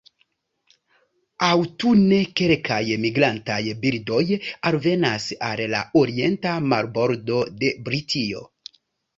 Aŭtune kelkaj migrantaj birdoj alvenas al la orienta marbordo de Britio.